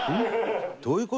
どういう事？